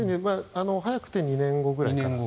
早くて２年後くらいかな。